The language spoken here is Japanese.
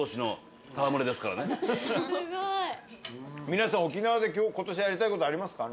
皆さん沖縄で今年やりたいことありますか？